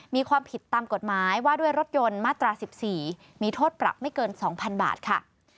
มีความผิดตามกฎหมายว่าด้วยรถยนต์มาตรา๑๔มีโทษปรับไม่เกิน๒๐๐๐บาทค่ะ